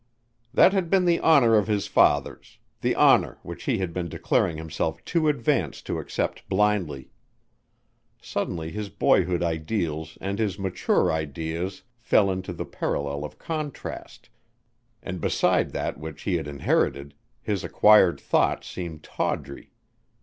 That had been the honor of his fathers, the honor which he had been declaring himself too advanced to accept blindly. Suddenly his boyhood ideals and his mature ideas fell into the parallel of contrast and beside that which he had inherited, his acquired thought seemed tawdry.